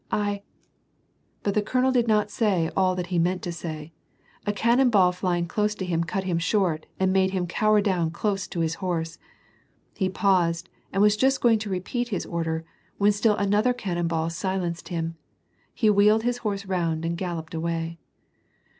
" I ''— But the colonel did not say all that he meant to say. A caiiDon ball %'ing close to him cut him short, and made him cower down close to his horse. He paused, and was just going to repeat his order, when still another cannon ball silenced him. He wheeled his horse round and galloped away.